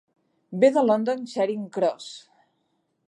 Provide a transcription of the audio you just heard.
Ve de London Charing Cross.